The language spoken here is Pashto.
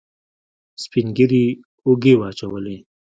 سپينږيري اوږې واچولې.